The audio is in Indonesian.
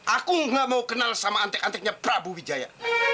aku nggak mau kenal sama antek anteknya prabu wijaya